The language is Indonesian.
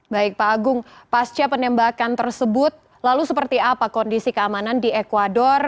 baik pak agung pasca penembakan tersebut lalu seperti apa kondisi keamanan di ecuador